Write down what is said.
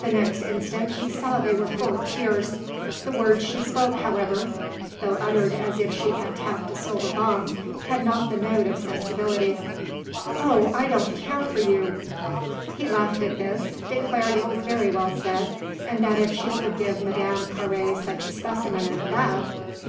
The next instant he saw they were full of tears. The words she spoke, however, though uttered as if she had tapped a silver gong, had not the note of sensibility: "Oh, I don't care for you!" He laughed at this, declared it was very well said and that if she could give Madame Carré such a specimen as that